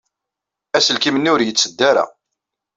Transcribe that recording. Aselkim-nni ur yetteddu ara.